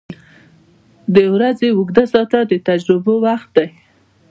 • د ورځې اوږده ساعته د تجربو وخت دی.